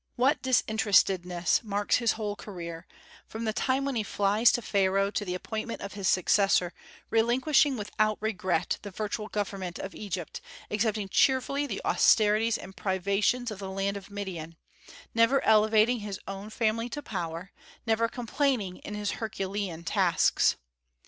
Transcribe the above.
What disinterestedness marks his whole career, from the time when he flies from Pharaoh to the appointment of his successor, relinquishing without regret the virtual government of Egypt, accepting cheerfully the austerities and privations of the land of Midian, never elevating his own family to power, never complaining in his herculean tasks!